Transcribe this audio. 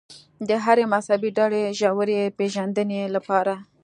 د هرې مذهبي ډلې ژورې پېژندنې لپاره.